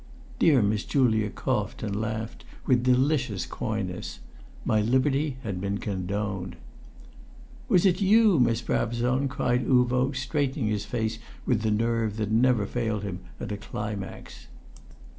Dear Miss Julia coughed and laughed with delicious coyness. My liberty had been condoned. "Was it you, Miss Brabazon?" cried Uvo, straightening his face with the nerve that never failed him at a climax.